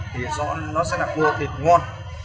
thì chọn nó sẽ là cua thịt ngon